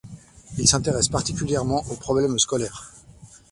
Il s'intéresse particulièrement aux problèmes scolaires.